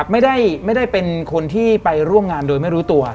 ไม่ได้เป็นคนที่ไปร่วมงานโดยไม่รู้ตัว